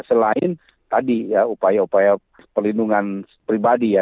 selain tadi ya upaya upaya pelindungan pribadi ya